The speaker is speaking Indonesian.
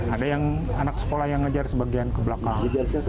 ada yang anak sekolah yang ngejar sebagian ke belakang